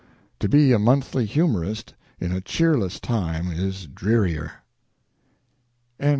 To be a monthly humorist in a cheerless time is drearier." XXXII.